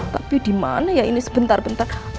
tapi dimana ya ini sebentar bentar